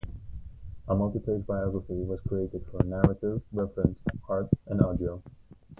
A multi-page biography was created for narrative reference, art and audio.